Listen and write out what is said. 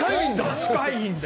近いんだ！